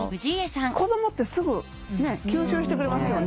子どもってすぐねえ吸収してくれますよね。